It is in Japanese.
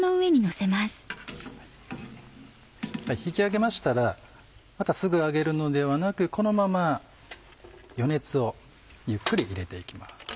引き上げましたらすぐ揚げるのではなくこのまま余熱をゆっくり入れて行きます。